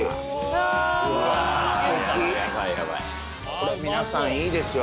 これ皆さんいいですよ